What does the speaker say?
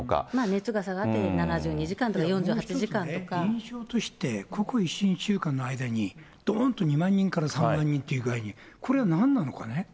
熱が下がって７２時間とか、もう一つね、印象として、ここ１、２週間の間にどーんと２万人から３万人という具合に、これはなんなのかね。